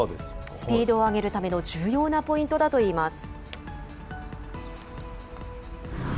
スピードを上げるための重要なポイントだといいます。